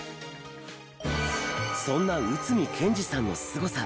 そんな内海賢二さんのスゴさ。